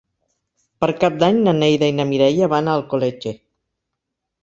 Per Cap d'Any na Neida i na Mireia van a Alcoletge.